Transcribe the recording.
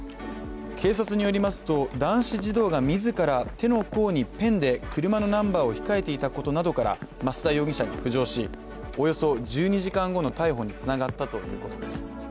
警察によりますと、男子児童が自ら手の甲にペンで車のナンバーを控えていたことなどから増田容疑者が浮上しおよそ１２時間後の逮捕につながったということです。